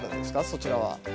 そちらは。